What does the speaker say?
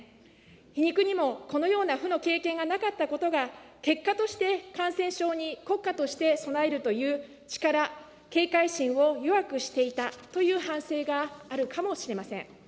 皮肉にもこのような負の経験がなかったことが、結果として、感染症に国家として備えるという力、警戒心を弱くしていたという反省があるかもしれません。